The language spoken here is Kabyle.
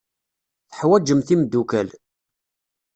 Teḥwajemt imeddukal.